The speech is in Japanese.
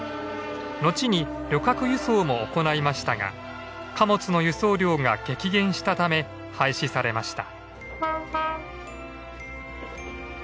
後に旅客輸送も行いましたが貨物の輸送量が激減したため廃止されました。